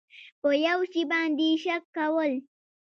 په یو شي باندې شک کول